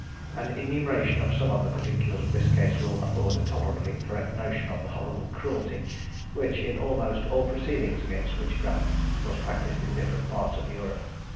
An enumeration of some of the particulars of this case will afford a tolerably correct notion of the horrible cruelty, which, in almost all proceedings against witchcraft, was practised in different parts of Europe.